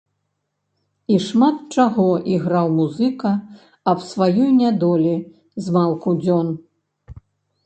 І шмат чаго іграў музыка аб сваёй нядолі змалку дзён.